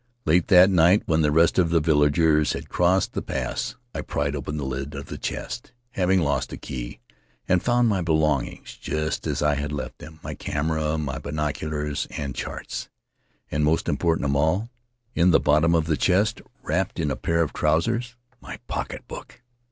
Late that night when the rest of the villagers had crossed the pass I pried open the lid of the chest — having lost the key — and found my belongings just as I had left them — my camera; my binoculars and charts; and, most important of all, in the bottom of the chest, wrapped in a pair of trousers, my pocket book.